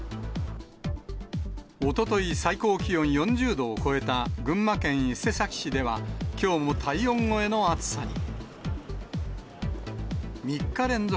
おととい、最高気温４０度を超えた群馬県伊勢崎市では、きょうも体温超えの暑さに。